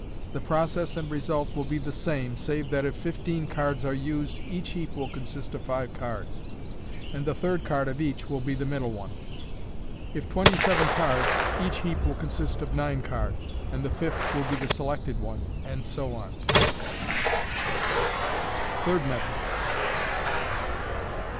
The process and result will be the same, save that if fifteen cards are used each 44 MODERN MAGIC. heap will consist of five cards, and the third card of each will be the middle one ; if twenty seven cards, each heap will consist of nine cards, and the fifth will be the selected one, and so on. Third Method.